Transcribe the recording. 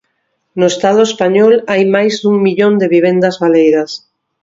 No Estado español hai máis dun millón de vivendas baleiras.